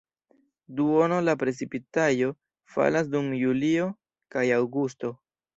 Duono de la precipitaĵo falas dum julio kaj aŭgusto.